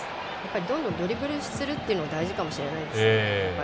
どんどんドリブルするっていうのが大事かもしれないですね。